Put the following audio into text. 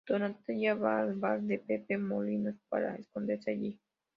Donatella va a al bar de Pepe Molinos para esconderse ahí.